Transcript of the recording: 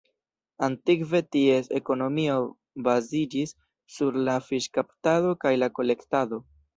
Antikve ties ekonomio baziĝis sur la fiŝkaptado kaj la kolektado.